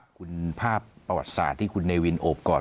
คุณภาพประวัติศาสตร์ที่คุณเนวินโอบกอด